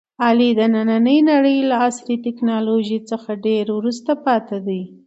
علي د نننۍ نړۍ له عصري ټکنالوژۍ څخه ډېر وروسته پاتې دی.